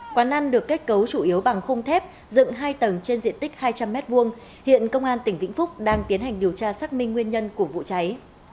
quán ăn được kết cấu chủ yếu bằng khung thép dựng hai tầng trên diện tích hai trăm linh m hai hiện công an tỉnh vĩnh phúc đang tiến hành điều tra xác minh nguyên nhân của vụ cháy